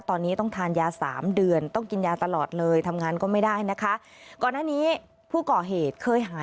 ตอนนี้ต้องทางยาสามเดือนต้องกินยาตลอดเลย